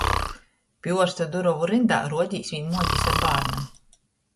Pi uorsta durovu ryndā, ruodīs, viņ muotis ar bārnim.